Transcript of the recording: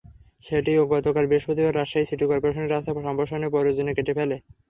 সেটিও গতকাল বৃহস্পতিবার রাজশাহী সিটি করপোরেশন রাস্তা সম্প্রসারণের প্রয়োজনে কেটে ফেলে।